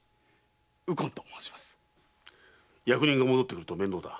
役人が戻ってくると面倒だ。